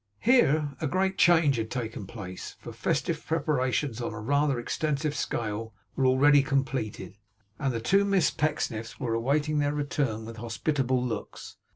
Here a great change had taken place; for festive preparations on a rather extensive scale were already completed, and the two Miss Pecksniffs were awaiting their return with hospitable looks.